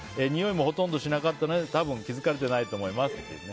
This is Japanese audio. においもほとんどしなかったので多分気づかれてないと思います。